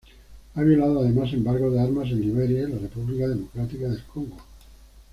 Ha violado además embargos de armas en Liberia y la República Democrática del Congo.